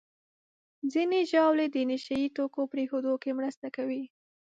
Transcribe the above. ځینې ژاولې د نشهیي توکو پرېښودو کې مرسته کوي.